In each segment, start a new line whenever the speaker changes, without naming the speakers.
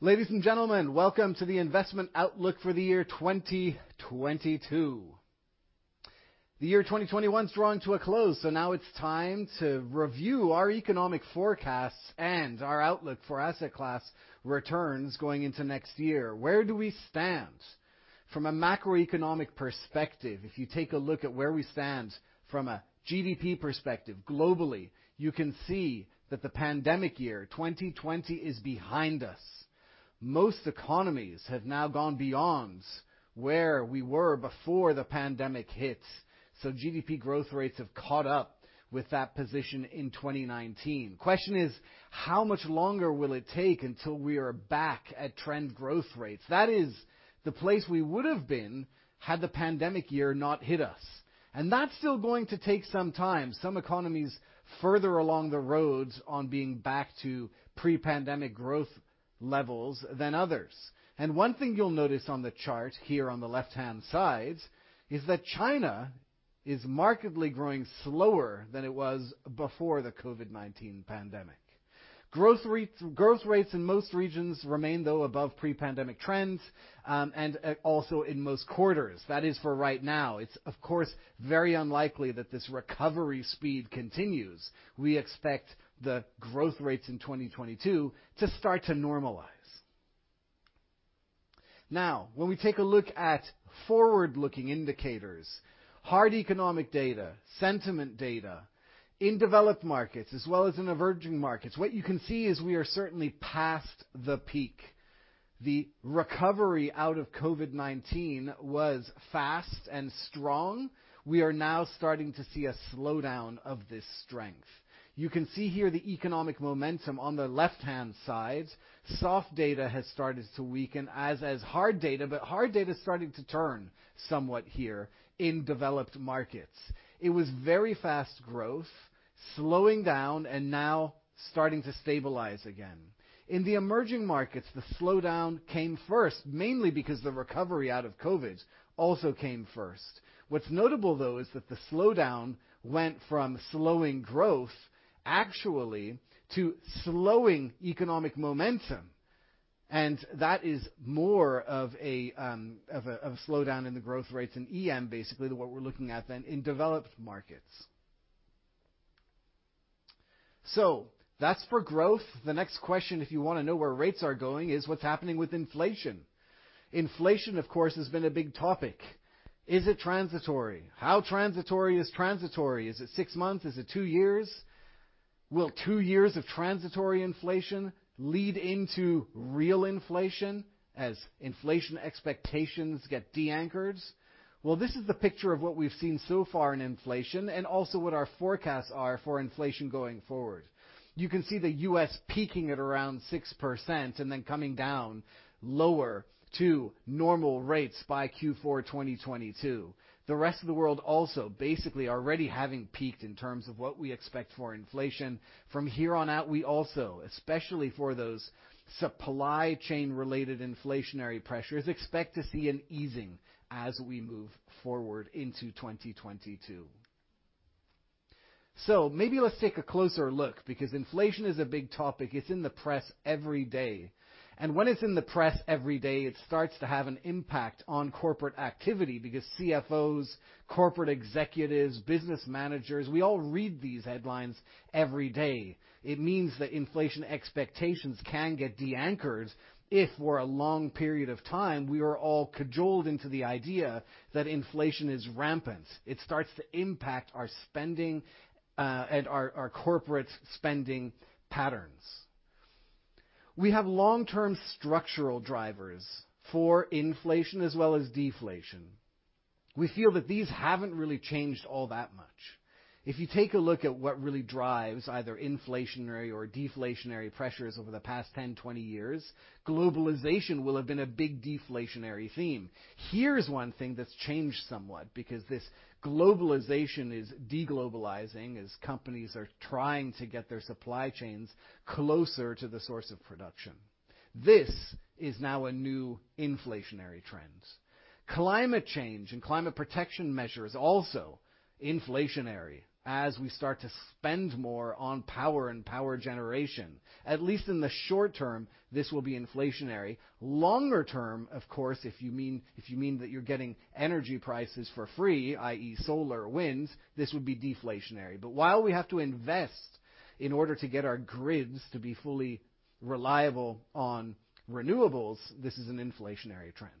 Ladies and gentlemen, welcome to the investment outlook for the year 2022. The year 2021's drawing to a close, so now it's time to review our economic forecasts and our outlook for asset class returns going into next year. Where do we stand? From a macroeconomic perspective, if you take a look at where we stand from a GDP perspective globally, you can see that the pandemic year, 2020, is behind us. Most economies have now gone beyond where we were before the pandemic hit, so GDP growth rates have caught up with that position in 2019. Question is, how much longer will it take until we are back at trend growth rates? That is the place we would have been had the pandemic year not hit us. That's still going to take some time. Some economies further along the road on being back to pre-pandemic growth levels than others. One thing you'll notice on the chart here on the left-hand side is that China is markedly growing slower than it was before the COVID-19 pandemic. Growth rates in most regions remain, though, above pre-pandemic trends, and also in most quarters. That is for right now. It's of course, very unlikely that this recovery speed continues. We expect the growth rates in 2022 to start to normalize. Now, when we take a look at forward-looking indicators, hard economic data, sentiment data in developed markets as well as in emerging markets, what you can see is we are certainly past the peak. The recovery out of COVID-19 was fast and strong. We are now starting to see a slowdown of this strength. You can see here the economic momentum on the left-hand side. Soft data has started to weaken as hard data, but hard data is starting to turn somewhat here in developed markets. It was very fast growth, slowing down and now starting to stabilize again. In the emerging markets, the slowdown came first, mainly because the recovery out of COVID also came first. What's notable, though, is that the slowdown went from slowing growth actually to slowing economic momentum, and that is more of a slowdown in the growth rates in EM, basically, than what we're looking at in developed markets. That's for growth. The next question, if you wanna know where rates are going, is what's happening with inflation. Inflation, of course, has been a big topic. Is it transitory? How transitory is transitory? Is it six months? Is it two years? Will two years of transitory inflation lead into real inflation as inflation expectations get de-anchored? Well, this is the picture of what we've seen so far in inflation and also what our forecasts are for inflation going forward. You can see the U.S. peaking at around 6% and then coming down lower to normal rates by Q4 2022. The rest of the world also basically already having peaked in terms of what we expect for inflation. From here on out, we also, especially for those supply chain related inflationary pressures, expect to see an easing as we move forward into 2022. Maybe let's take a closer look because inflation is a big topic. It's in the press every day. When it's in the press every day, it starts to have an impact on corporate activity because CFOs, corporate executives, business managers, we all read these headlines every day. It means that inflation expectations can get de-anchored if for a long period of time, we are all cajoled into the idea that inflation is rampant. It starts to impact our spending at our corporate spending patterns. We have long-term structural drivers for inflation as well as deflation. We feel that these haven't really changed all that much. If you take a look at what really drives either inflationary or deflationary pressures over the past 10, 20 years, globalization will have been a big deflationary theme. Here's one thing that's changed somewhat because this globalization is de-globalizing as companies are trying to get their supply chains closer to the source of production. This is now a new inflationary trend. Climate change and climate protection measures also inflationary as we start to spend more on power and power generation. At least in the short term, this will be inflationary. Longer term, of course, if you mean that you're getting energy prices for free, i.e. solar, wind, this would be deflationary. While we have to invest in order to get our grids to be fully reliable on renewables, this is an inflationary trend.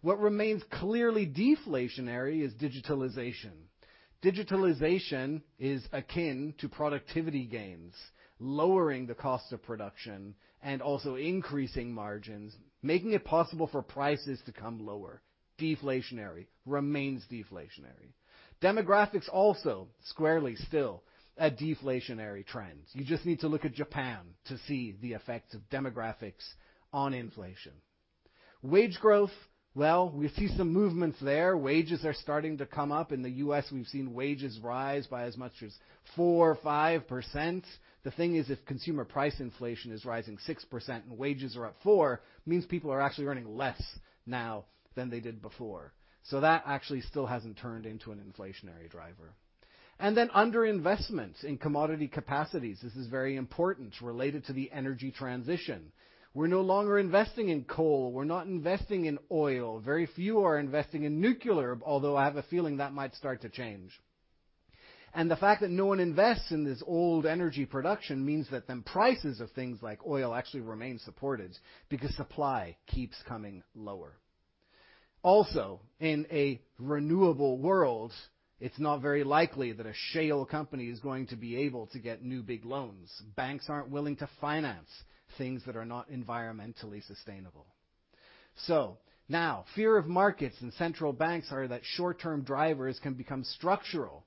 What remains clearly deflationary is digitalization. Digitalization is akin to productivity gains, lowering the cost of production and also increasing margins, making it possible for prices to come lower. Deflationary remains deflationary. Demographics also squarely still a deflationary trend. You just need to look at Japan to see the effects of demographics on inflation. Wage growth, well, we see some movements there. Wages are starting to come up. In the U.S., we've seen wages rise by as much as 4 or 5%. The thing is, if consumer price inflation is rising 6% and wages are up 4%, means people are actually earning less now than they did before. That actually still hasn't turned into an inflationary driver. Under investments in commodity capacities. This is very important related to the energy transition. We're no longer investing in coal. We're not investing in oil. Very few are investing in nuclear. Although I have a feeling that might start to change. The fact that no one invests in this old energy production means that then prices of things like oil actually remain supported because supply keeps coming lower. Also, in a renewable world, it's not very likely that a shale company is going to be able to get new big loans. Banks aren't willing to finance things that are not environmentally sustainable. Now fear of markets and central banks are that short-term drivers can become structural.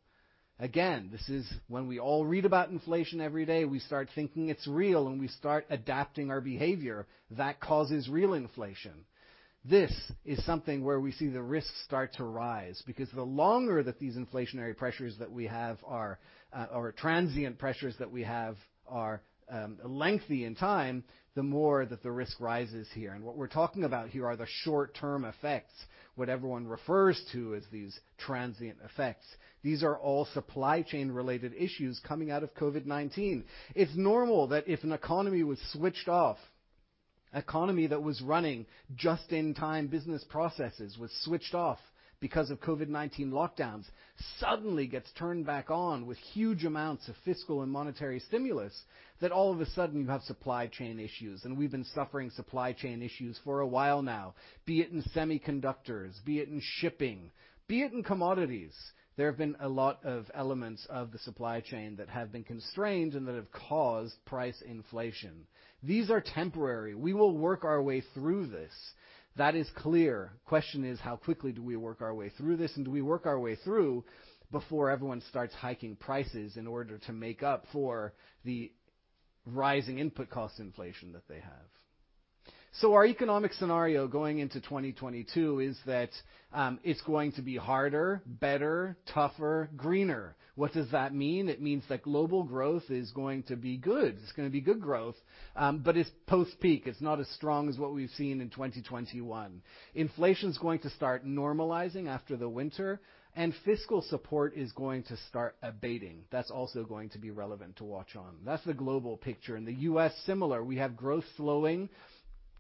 Again, this is when we all read about inflation every day, we start thinking it's real, and we start adapting our behavior. That causes real inflation. This is something where we see the risks start to rise, because the longer that these inflationary pressures that we have are, or transient pressures that we have are, lengthy in time, the more that the risk rises here. What we're talking about here are the short-term effects. What everyone refers to as these transient effects. These are all supply chain related issues coming out of COVID-19. It's normal that if an economy was switched off, economy that was running just-in-time business processes was switched off because of COVID-19 lockdowns, suddenly gets turned back on with huge amounts of fiscal and monetary stimulus, that all of a sudden you have supply chain issues. We've been suffering supply chain issues for a while now. Be it in semiconductors, be it in shipping, be it in commodities. There have been a lot of elements of the supply chain that have been constrained and that have caused price inflation. These are temporary. We will work our way through this. That is clear. Question is, how quickly do we work our way through this, and do we work our way through before everyone starts hiking prices in order to make up for the rising input cost inflation that they have? Our economic scenario going into 2022 is that it's going to be harder, better, tougher, greener. What does that mean? It means that global growth is going to be good. It's gonna be good growth, but it's post-peak. It's not as strong as what we've seen in 2021. Inflation's going to start normalizing after the winter, and fiscal support is going to start abating. That's also going to be relevant to watch on. That's the global picture. In the U.S., similar. We have growth slowing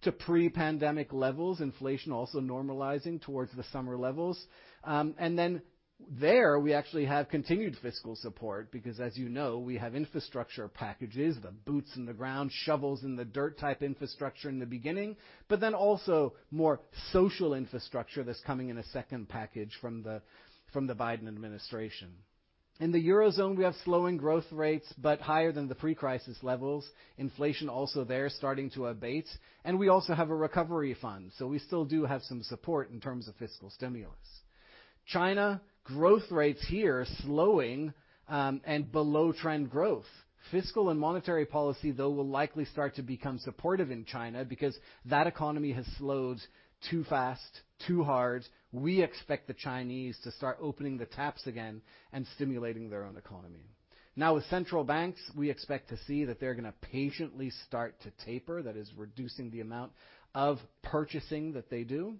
to pre-pandemic levels. Inflation also normalizing towards the summer levels. There we actually have continued fiscal support because as you know, we have infrastructure packages, the boots on the ground, shovels in the dirt type infrastructure in the beginning, but then also more social infrastructure that's coming in a second package from the Biden administration. In the Eurozone, we have slowing growth rates, but higher than the pre-crisis levels. Inflation also there starting to abate. We also have a recovery fund, so we still do have some support in terms of fiscal stimulus. China, growth rates here are slowing, and below trend growth. Fiscal and monetary policy, though, will likely start to become supportive in China because that economy has slowed too fast, too hard. We expect the Chinese to start opening the taps again and stimulating their own economy. Now with central banks, we expect to see that they're gonna patiently start to taper. That is reducing the amount of purchasing that they do.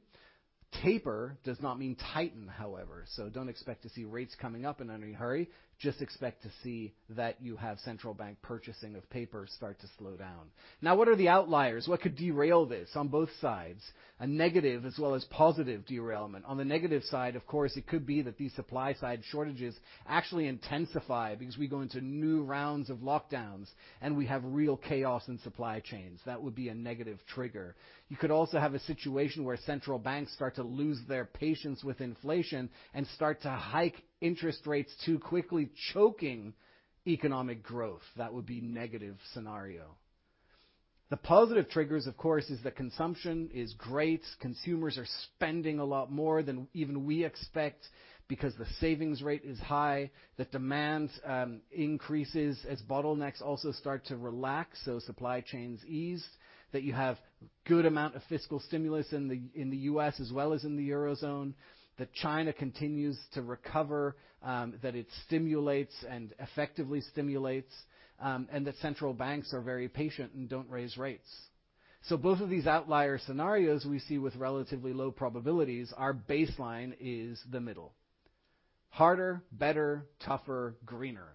Taper does not mean tighten, however. Don't expect to see rates coming up in any hurry. Just expect to see that you have central bank purchasing of paper start to slow down. Now, what are the outliers? What could derail this on both sides? A negative as well as positive derailment. On the negative side, of course, it could be that these supply side shortages actually intensify because we go into new rounds of lockdowns and we have real chaos in supply chains. That would be a negative trigger. You could also have a situation where central banks start to lose their patience with inflation and start to hike interest rates too quickly, choking economic growth. That would be negative scenario. The positive triggers, of course, is that consumption is great. Consumers are spending a lot more than even we expect because the savings rate is high. The demand increases as bottlenecks also start to relax, so supply chains ease. That you have good amount of fiscal stimulus in the U.S. as well as in the Eurozone. That China continues to recover, that it stimulates and effectively stimulates, and that central banks are very patient and don't raise rates. Both of these outlier scenarios we see with relatively low probabilities. Our baseline is the middle. Harder, better, tougher, greener.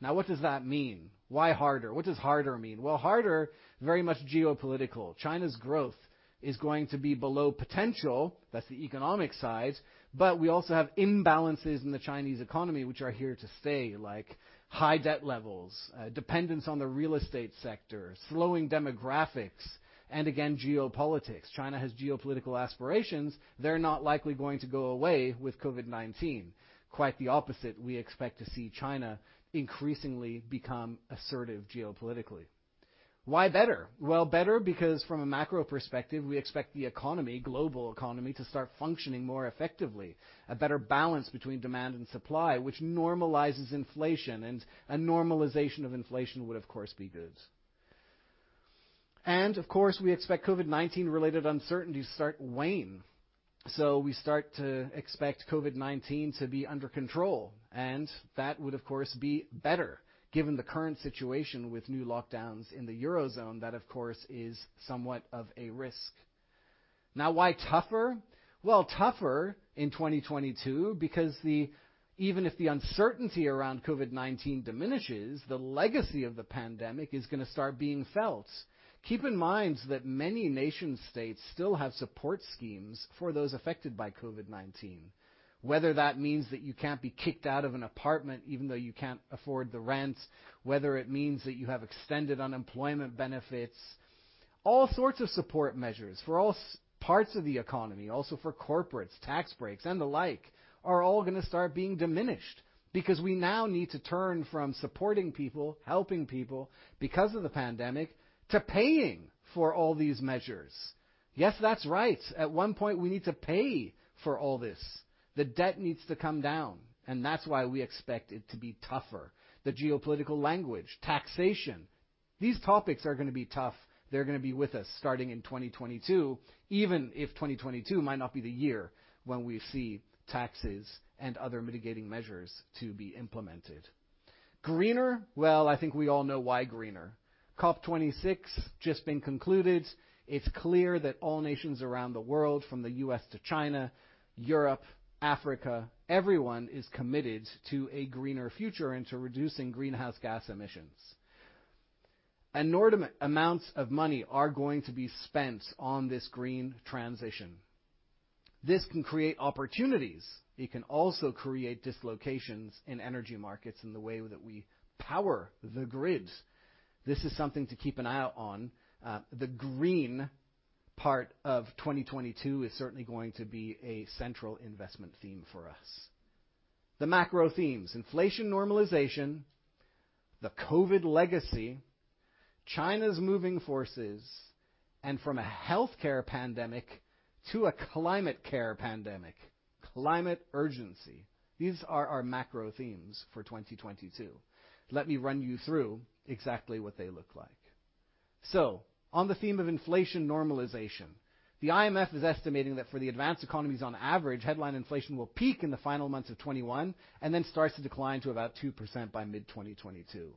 Now what does that mean? Why harder? What does harder mean? Well, harder, very much geopolitical. China's growth is going to be below potential. That's the economic side. We also have imbalances in the Chinese economy which are here to stay. Like high debt levels, dependence on the real estate sector, slowing demographics, and again, geopolitics. China has geopolitical aspirations. They're not likely going to go away with COVID-19. Quite the opposite. We expect to see China increasingly become assertive geopolitically. Why better? Well, better because from a macro perspective, we expect the economy, global economy, to start functioning more effectively. A better balance between demand and supply, which normalizes inflation. A normalization of inflation would of course be good. Of course, we expect COVID-19 related uncertainty to start wane. We start to expect COVID-19 to be under control. That would of course be better given the current situation with new lockdowns in the Eurozone. That of course is somewhat of a risk. Now, why tougher? Well, tougher in 2022 because even if the uncertainty around COVID-19 diminishes, the legacy of the pandemic is gonna start being felt. Keep in mind that many nation states still have support schemes for those affected by COVID-19. Whether that means that you can't be kicked out of an apartment even though you can't afford the rent, whether it means that you have extended unemployment benefits. All sorts of support measures for all parts of the economy, also for corporates, tax breaks, and the like, are all gonna start being diminished because we now need to turn from supporting people, helping people because of the pandemic, to paying for all these measures. Yes, that's right. At one point, we need to pay for all this. The debt needs to come down, and that's why we expect it to be tougher. The geopolitical language, taxation, these topics are gonna be tough. They're gonna be with us starting in 2022, even if 2022 might not be the year when we see taxes and other mitigating measures to be implemented. Greener. Well, I think we all know why greener. COP26 just been concluded. It's clear that all nations around the world from the U.S. to China, Europe, Africa, everyone is committed to a greener future and to reducing greenhouse gas emissions. Enormous amounts of money are going to be spent on this green transition. This can create opportunities. It can also create dislocations in energy markets in the way that we power the grids. This is something to keep an eye out on. The green part of 2022 is certainly going to be a central investment theme for us. The macro themes: inflation normalization, the COVID legacy, China's moving forces, and from a healthcare pandemic to a climate care pandemic, climate urgency. These are our macro themes for 2022. Let me run you through exactly what they look like. On the theme of inflation normalization, the IMF is estimating that for the advanced economies on average, headline inflation will peak in the final months of 2021 and then starts to decline to about 2% by mid-2022.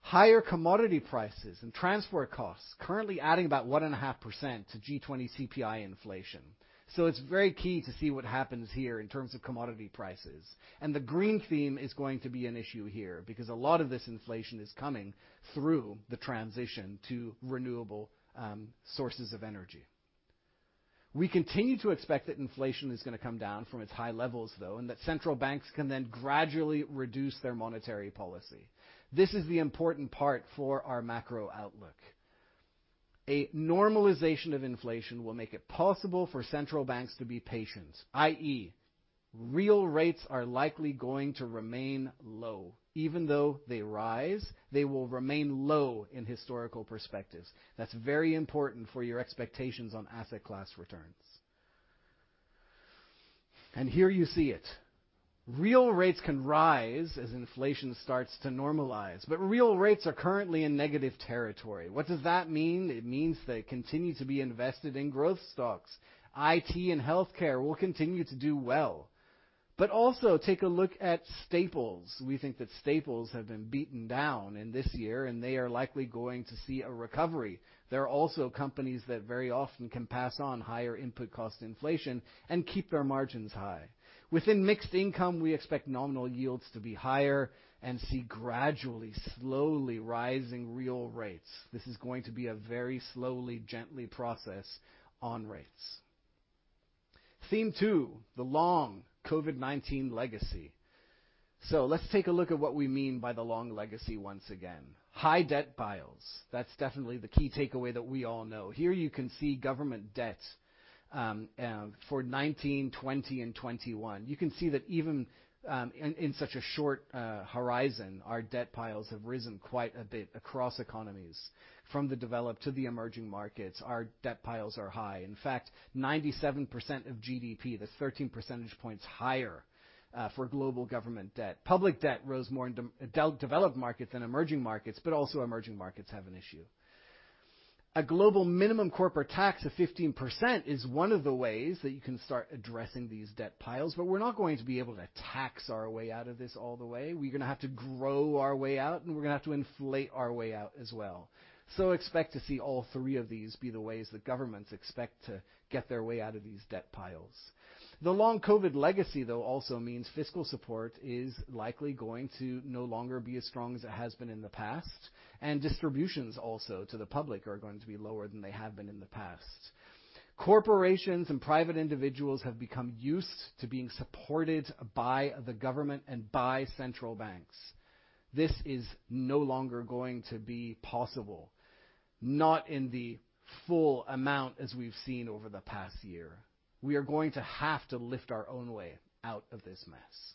Higher commodity prices and transport costs are currently adding about 1.5% to G20 CPI inflation. It's very key to see what happens here in terms of commodity prices. The green theme is going to be an issue here because a lot of this inflation is coming through the transition to renewable sources of energy. We continue to expect that inflation is gonna come down from its high levels, though, and that central banks can then gradually reduce their monetary policy. This is the important part for our macro outlook. A normalization of inflation will make it possible for central banks to be patient, i.e., real rates are likely going to remain low. Even though they rise, they will remain low in historical perspectives. That's very important for your expectations on asset class returns. Here you see it. Real rates can rise as inflation starts to normalize, but real rates are currently in negative territory. What does that mean? It means they continue to be invested in growth stocks. IT and healthcare will continue to do well. Also take a look at staples. We think that staples have been beaten down in this year, and they are likely going to see a recovery. There are also companies that very often can pass on higher input cost inflation and keep their margins high. Within mixed income, we expect nominal yields to be higher and see gradually, slowly rising real rates. This is going to be a very slow, gentle process on rates. Theme Two: The Long COVID-19 Legacy. Let's take a look at what we mean by the long legacy once again. High debt piles. That's definitely the key takeaway that we all know. Here you can see government debt for 2019, 2020, and 2021. You can see that even in such a short horizon, our debt piles have risen quite a bit across economies. From the developed to the emerging markets, our debt piles are high. In fact, 97% of GDP, that's 13 percentage points higher for global government debt. Public debt rose more in developed markets than emerging markets, but also emerging markets have an issue. A global minimum corporate tax of 15% is one of the ways that you can start addressing these debt piles, but we're not going to be able to tax our way out of this all the way. We're gonna have to grow our way out, and we're gonna have to inflate our way out as well. Expect to see all three of these be the ways that governments expect to get their way out of these debt piles. The long COVID legacy, though, also means fiscal support is likely going to no longer be as strong as it has been in the past, and distributions also to the public are going to be lower than they have been in the past. Corporations and private individuals have become used to being supported by the government and by central banks. This is no longer going to be possible, not in the full amount as we've seen over the past year. We are going to have to lift our own way out of this mess.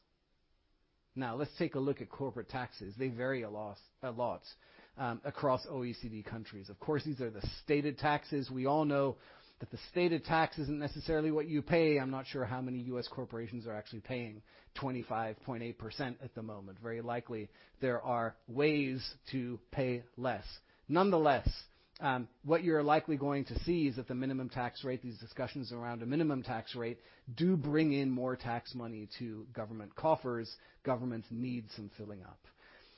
Now let's take a look at corporate taxes. They vary a lot across OECD countries. Of course, these are the stated taxes. We all know that the stated tax isn't necessarily what you pay. I'm not sure how many U.S. corporations are actually paying 25.8% at the moment. Very likely, there are ways to pay less. Nonetheless, what you're likely going to see is that the minimum tax rate, these discussions around a minimum tax rate do bring in more tax money to government coffers. Governments need some filling up.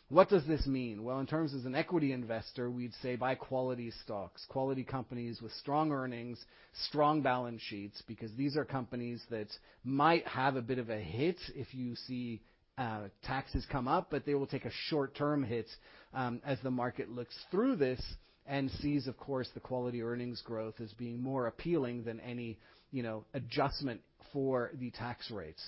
What does this mean? Well, in terms as an equity investor, we'd say buy quality stocks, quality companies with strong earnings, strong balance sheets, because these are companies that might have a bit of a hit if you see taxes come up, but they will take a short-term hit, as the market looks through this and sees, of course, the quality earnings growth as being more appealing than any, you know, adjustment for the tax rates.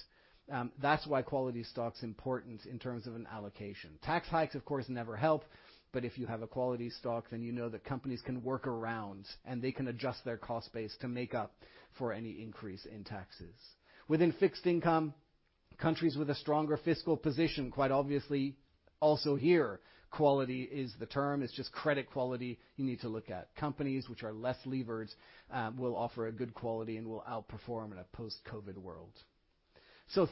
That's why quality stock's important in terms of an allocation. Tax hikes, of course, never help, but if you have a quality stock, then you know that companies can work around and they can adjust their cost base to make up for any increase in taxes. Within fixed income, countries with a stronger fiscal position, quite obviously, also here, quality is the term. It's just credit quality you need to look at. Companies which are less levered will offer a good quality and will outperform in a post-COVID world.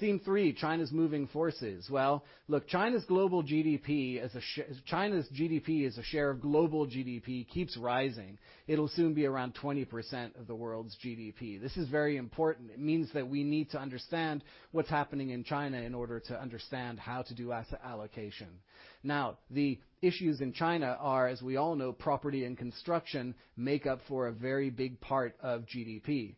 Theme Three: China's Moving Forces. Well, look, China's GDP as a share of global GDP keeps rising. It'll soon be around 20% of the world's GDP. This is very important. It means that we need to understand what's happening in China in order to understand how to do asset allocation. Now, the issues in China are, as we all know, property and construction make up a very big part of GDP.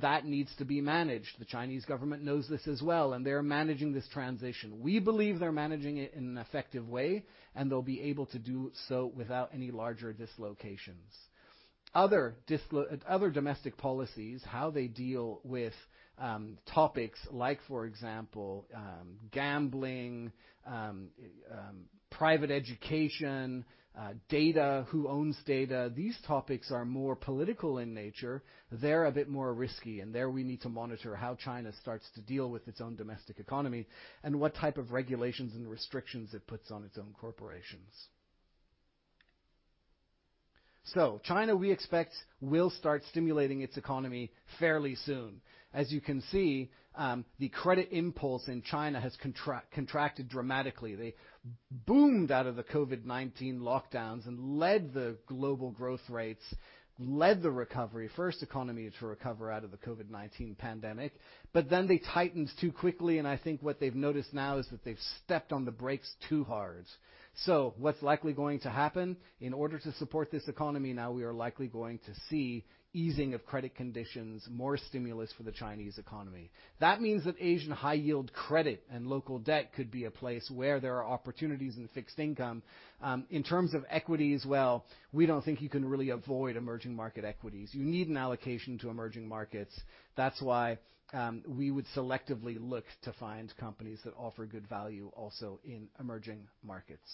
That needs to be managed. The Chinese government knows this as well, and they're managing this transition. We believe they're managing it in an effective way, and they'll be able to do so without any larger dislocations. Other domestic policies, how they deal with topics like, for example, gambling, private education, data, who owns data. These topics are more political in nature. They're a bit more risky, and there we need to monitor how China starts to deal with its own domestic economy and what type of regulations and restrictions it puts on its own corporations. China, we expect, will start stimulating its economy fairly soon. As you can see, the credit impulse in China has contracted dramatically. They boomed out of the COVID-19 lockdowns and led the global growth rates, led the recovery, first economy to recover out of the COVID-19 pandemic. Then they tightened too quickly, and I think what they've noticed now is that they've stepped on the brakes too hard. What's likely going to happen? In order to support this economy, now we are likely going to see easing of credit conditions, more stimulus for the Chinese economy. That means that Asian high yield credit and local debt could be a place where there are opportunities in fixed income. In terms of equities, well, we don't think you can really avoid emerging market equities. You need an allocation to emerging markets. That's why, we would selectively look to find companies that offer good value also in emerging markets.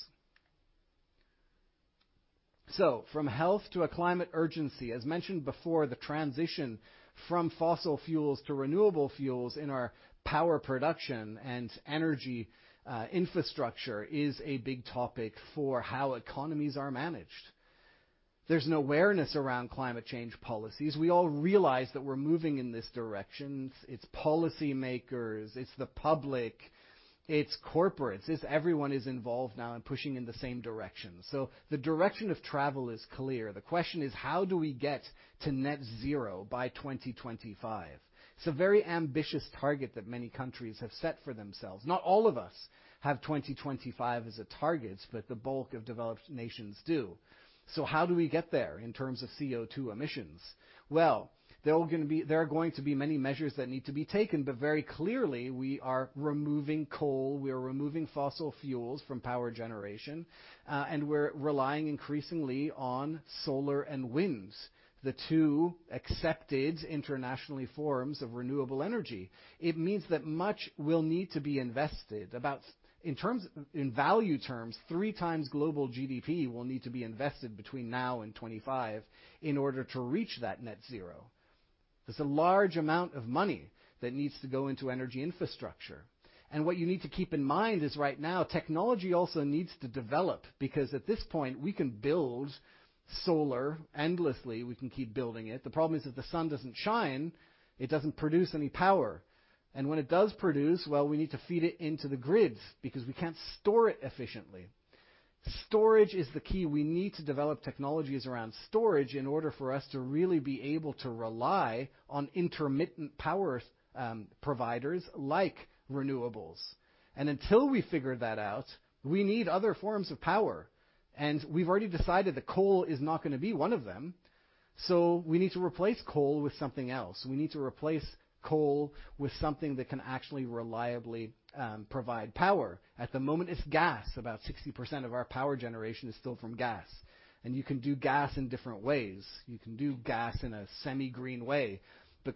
From health to a climate urgency, as mentioned before, the transition from fossil fuels to renewable fuels in our power production and energy infrastructure is a big topic for how economies are managed. There's an awareness around climate change policies. We all realize that we're moving in this direction. It's policymakers, it's the public, it's corporates. It's everyone is involved now and pushing in the same direction. The direction of travel is clear. The question is, how do we get to net zero by 2025? It's a very ambitious target that many countries have set for themselves. Not all of us have 2025 as a target, but the bulk of developed nations do. How do we get there in terms of CO₂ emissions? Well, there are going to be many measures that need to be taken, but very clearly we are removing coal, we are removing fossil fuels from power generation, and we're relying increasingly on solar and wind, the two accepted internationally forms of renewable energy. It means that much will need to be invested. In value terms, 3x global GDP will need to be invested between now and 2025 in order to reach that net zero. There's a large amount of money that needs to go into energy infrastructure. What you need to keep in mind is right now, technology also needs to develop because at this point, we can build solar endlessly. We can keep building it. The problem is, if the sun doesn't shine, it doesn't produce any power. When it does produce, well, we need to feed it into the grids because we can't store it efficiently. Storage is the key. We need to develop technologies around storage in order for us to really be able to rely on intermittent power, providers like renewables. Until we figure that out, we need other forms of power. We've already decided that coal is not gonna be one of them. We need to replace coal with something else. We need to replace coal with something that can actually reliably provide power. At the moment, it's gas. About 60% of our power generation is still from gas. You can do gas in different ways. You can do gas in a semi-green way.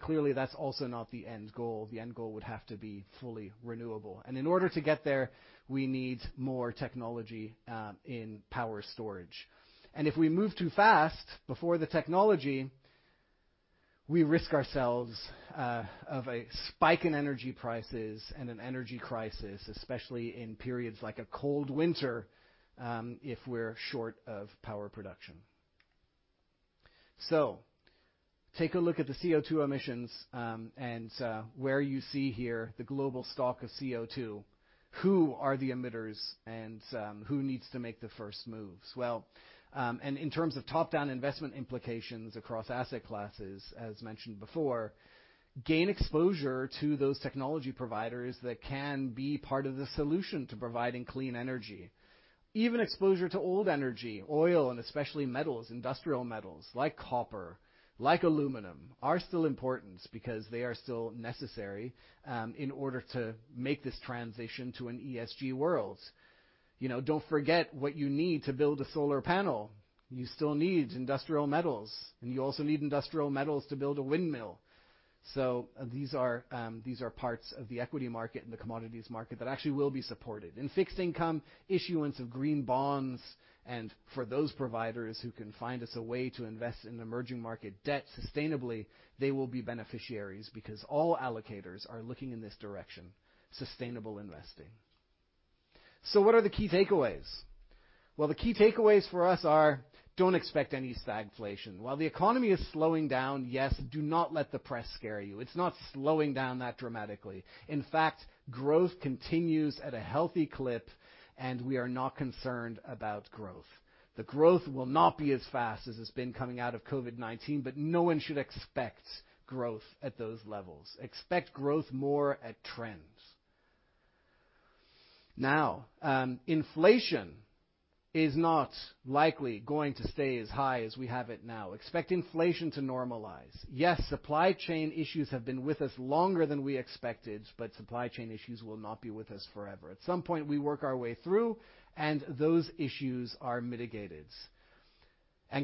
Clearly, that's also not the end goal. The end goal would have to be fully renewable. In order to get there, we need more technology in power storage. If we move too fast before the technology, we risk ourselves of a spike in energy prices and an energy crisis, especially in periods like a cold winter if we're short of power production. Take a look at the CO₂ emissions, and where you see here the global stock of CO₂, who are the emitters and who needs to make the first moves. Well, in terms of top-down investment implications across asset classes, as mentioned before, gain exposure to those technology providers that can be part of the solution to providing clean energy. Even exposure to old energy, oil and especially metals, industrial metals, like copper, like aluminum, are still important because they are still necessary in order to make this transition to an ESG world. You know, don't forget what you need to build a solar panel. You still need industrial metals, and you also need industrial metals to build a windmill. These are parts of the equity market and the commodities market that actually will be supported. In fixed income, issuance of green bonds, and for those providers who can find us a way to invest in emerging market debt sustainably, they will be beneficiaries because all allocators are looking in this direction, sustainable investing. What are the key takeaways? Well, the key takeaways for us are, don't expect any stagflation. While the economy is slowing down, yes, do not let the press scare you. It's not slowing down that dramatically. In fact, growth continues at a healthy clip, and we are not concerned about growth. The growth will not be as fast as it's been coming out of COVID-19, but no one should expect growth at those levels. Expect growth more at trends. Now, inflation is not likely going to stay as high as we have it now. Expect inflation to normalize. Yes, supply chain issues have been with us longer than we expected, but supply chain issues will not be with us forever. At some point, we work our way through and those issues are mitigated.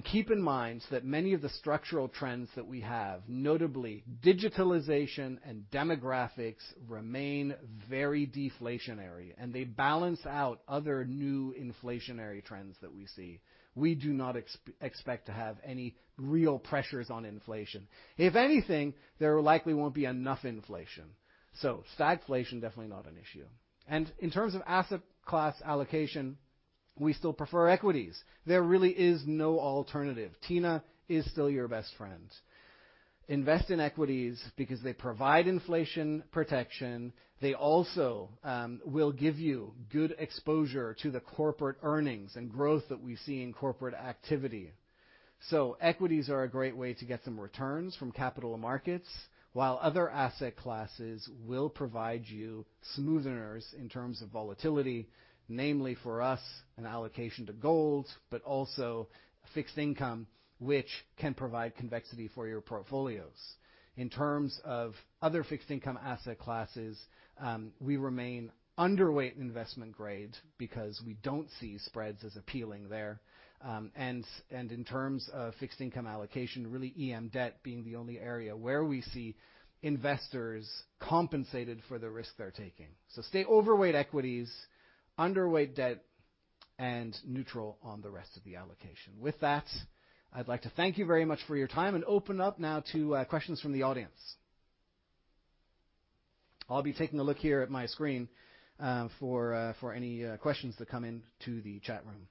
Keep in mind that many of the structural trends that we have, notably digitalization and demographics, remain very deflationary, and they balance out other new inflationary trends that we see. We do not expect to have any real pressures on inflation. If anything, there likely won't be enough inflation. Stagflation, definitely not an issue. In terms of asset class allocation, we still prefer equities. There really is no alternative. TINA is still your best friend. Invest in equities because they provide inflation protection. They also, will give you good exposure to the corporate earnings and growth that we see in corporate activity. Equities are a great way to get some returns from capital markets, while other asset classes will provide you smooth earners in terms of volatility, namely for us, an allocation to gold, but also fixed income, which can provide convexity for your portfolios. In terms of other fixed income asset classes, we remain underweight investment grade because we don't see spreads as appealing there. In terms of fixed income allocation, really EM debt being the only area where we see investors compensated for the risk they're taking. Stay overweight equities, underweight debt, and neutral on the rest of the allocation. With that, I'd like to thank you very much for your time and open up now to questions from the audience. I'll be taking a look here at my screen for any questions that come in to the chat room.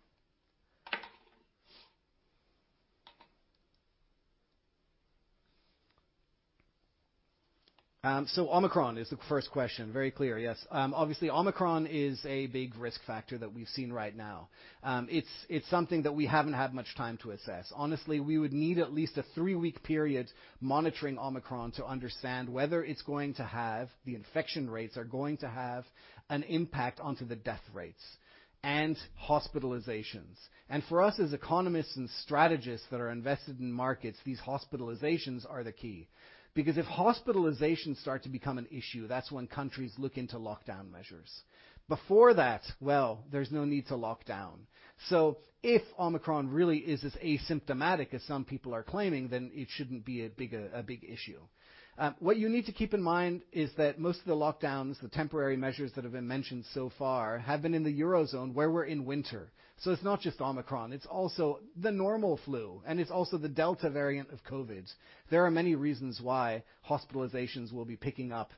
Omicron is the first question. Very clear. Yes. Obviously, Omicron is a big risk factor that we've seen right now. It's something that we haven't had much time to assess. Honestly, we would need at least a three-week period monitoring Omicron to understand whether the infection rates are going to have an impact on the death rates and hospitalizations. For us as economists and strategists that are invested in markets, these hospitalizations are the key. Because if hospitalizations start to become an issue, that's when countries look into lockdown measures. Before that, well, there's no need to lock down. If Omicron really is as asymptomatic as some people are claiming, then it shouldn't be a big issue. What you need to keep in mind is that most of the lockdowns, the temporary measures that have been mentioned so far, have been in the Eurozone where we're in winter. It's not just Omicron, it's also the normal flu, and it's also the Delta variant of COVID. There are many reasons why hospitalizations will be picking up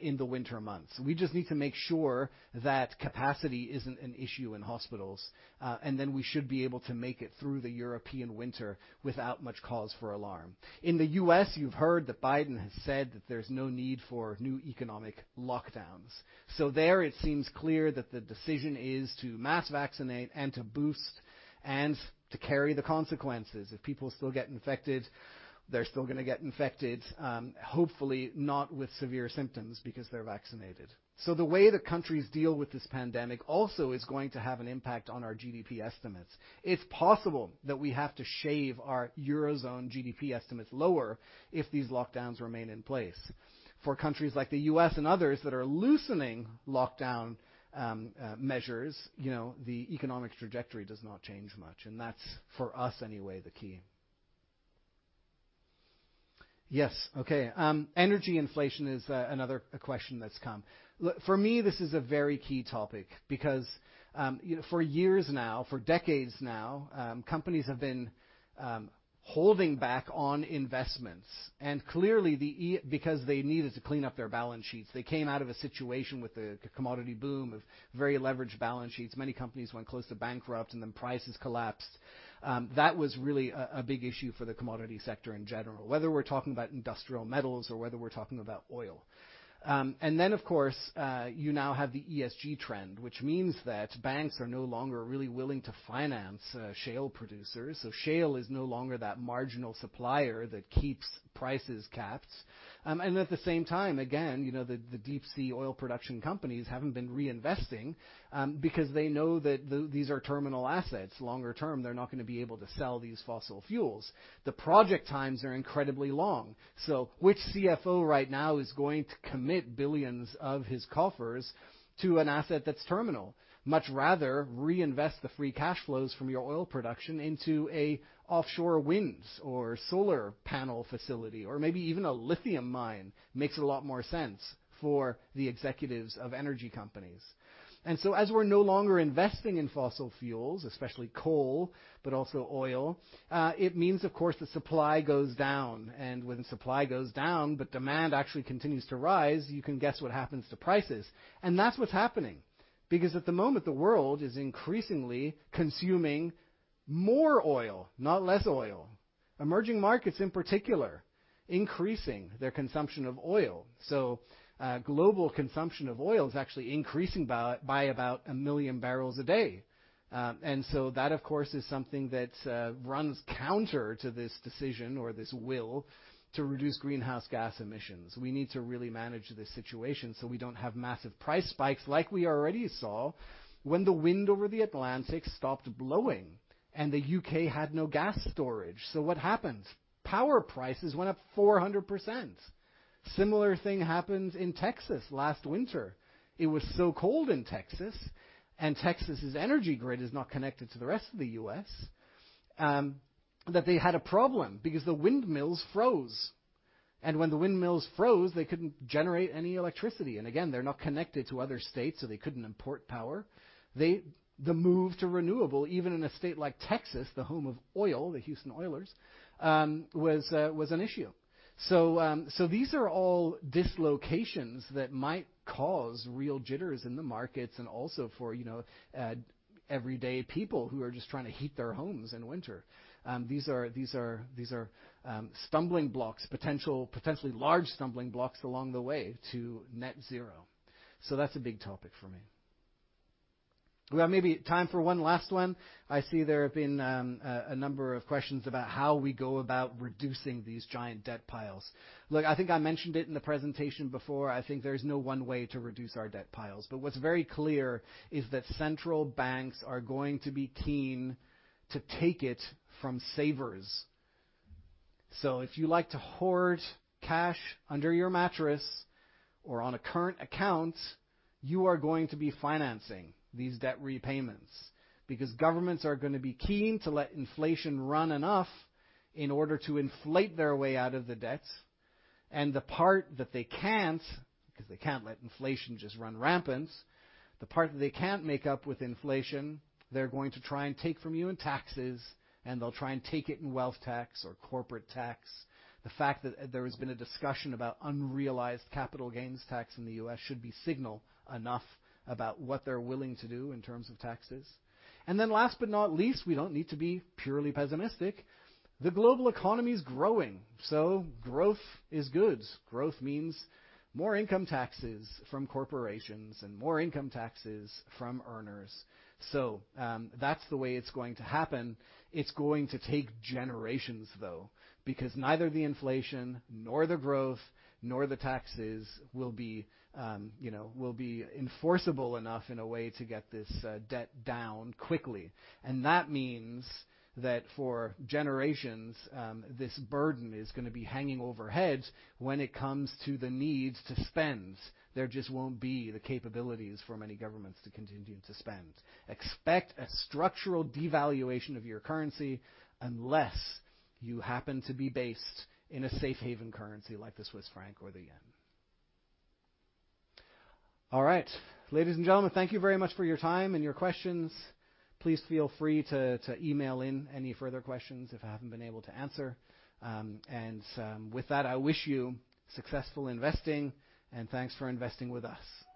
in the winter months. We just need to make sure that capacity isn't an issue in hospitals, and then we should be able to make it through the European winter without much cause for alarm. In the U.S., you've heard that Biden has said that there's no need for new economic lockdowns. There it seems clear that the decision is to mass vaccinate and to boost and to carry the consequences. If people still get infected, they're still gonna get infected, hopefully not with severe symptoms because they're vaccinated. The way the countries deal with this pandemic also is going to have an impact on our GDP estimates. It's possible that we have to shave our Eurozone GDP estimates lower if these lockdowns remain in place. For countries like the U.S. and others that are loosening lockdown measures, you know, the economic trajectory does not change much. That's, for us anyway, the key. Yes, okay. Energy inflation is another question that's come. Look, for me, this is a very key topic because for years now, for decades now, companies have been holding back on investment. Clearly, because they needed to clean up their balance sheets, they came out of a situation with the commodity boom of very leveraged balance sheets. Many companies went close to bankrupt, and then prices collapsed. That was really a big issue for the commodity sector in general, whether we're talking about industrial metals or whether we're talking about oil. Then of course, you now have the ESG trend, which means that banks are no longer really willing to finance shale producers. Shale is no longer that marginal supplier that keeps prices capped. At the same time, again, you know, the deep sea oil production companies haven't been reinvesting, because they know that these are terminal assets. Longer term, they're not gonna be able to sell these fossil fuels. The project times are incredibly long. So which CFO right now is going to commit billions of his coffers to an asset that's terminal? Much rather reinvest the free cash flows from your oil production into a offshore winds or solar panel facility, or maybe even a lithium mine makes a lot more sense for the executives of energy companies. As we're no longer investing in fossil fuels, especially coal, but also oil, it means of course the supply goes down. When supply goes down, but demand actually continues to rise, you can guess what happens to prices. That's what's happening, because at the moment, the world is increasingly consuming more oil, not less oil, emerging markets in particular increasing their consumption of oil. Global consumption of oil is actually increasing by about 1 million barrels a day. That, of course, is something that runs counter to this decision or this will to reduce greenhouse gas emissions. We need to really manage this situation, so we don't have massive price spikes like we already saw when the wind over the Atlantic stopped blowing and the U.K. had no gas storage. What happens? Power prices went up 400%. Similar thing happened in Texas last winter. It was so cold in Texas, and Texas' energy grid is not connected to the rest of the U.S., that they had a problem because the windmills froze. When the windmills froze, they couldn't generate any electricity. Again, they're not connected to other states, so they couldn't import power. The move to renewable, even in a state like Texas, the home of oil, the Houston Oilers, was an issue. These are all dislocations that might cause real jitters in the markets and also for, you know, everyday people who are just trying to heat their homes in winter. These are stumbling blocks, potentially large stumbling blocks along the way to net zero. That's a big topic for me. We have maybe time for one last one. I see there have been a number of questions about how we go about reducing these giant debt piles. Look, I think I mentioned it in the presentation before. I think there's no one way to reduce our debt piles, but what's very clear is that central banks are going to be keen to take it from savers. If you like to hoard cash under your mattress or on a current account, you are going to be financing these debt repayments because governments are gonna be keen to let inflation run enough in order to inflate their way out of the debts. The part that they can't, because they can't let inflation just run rampant, the part that they can't make up with inflation, they're going to try and take from you in taxes, and they'll try and take it in wealth tax or corporate tax. The fact that there has been a discussion about unrealized capital gains tax in the U.S. should be signal enough about what they're willing to do in terms of taxes. Last but not least, we don't need to be purely pessimistic. The global economy is growing, so growth is good. Growth means more income taxes from corporations and more income taxes from earners. That's the way it's going to happen. It's going to take generations, though. Because neither the inflation, nor the growth, nor the taxes will be, you know, will be enforceable enough in a way to get this, debt down quickly. That means that for generations, this burden is gonna be hanging overhead when it comes to the needs to spend. There just won't be the capabilities for many governments to continue to spend. Expect a structural devaluation of your currency unless you happen to be based in a safe haven currency like the Swiss franc or the yen. All right. Ladies and gentlemen, thank you very much for your time and your questions. Please feel free to email in any further questions if I haven't been able to answer. With that, I wish you successful investing and thanks for investing with us.